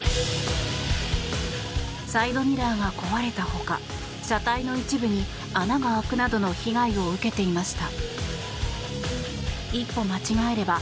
サイドミラーが壊れた他車体の一部に穴が開くなどの被害を受けていました。